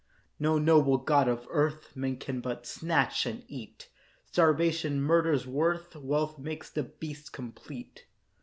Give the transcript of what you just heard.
No noble god of earth, Man can but snatch and eat; Starvation murders worth, Wealth makes the beast complete.